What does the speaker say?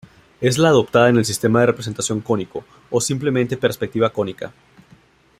Es la adoptada en el sistema de representación cónico, o simplemente perspectiva cónica.